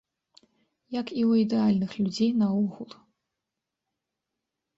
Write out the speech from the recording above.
Як і ў ідэальных людзей наогул.